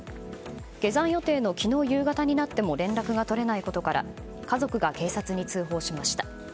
下山予定の昨日の夕方になっても連絡が取れないことから家族が警察に通報しました。